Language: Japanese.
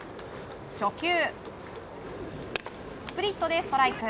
初球、スプリットでストライク。